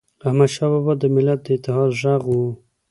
احمدشاه بابا د ملت د اتحاد ږغ و.